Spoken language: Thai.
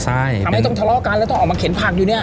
ใช่ทำให้ต้องทะเลาะกันแล้วต้องออกมาเข็นผักอยู่เนี่ย